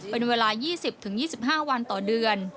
เป็นเวลา๒๐๒๕วันต่อเดือน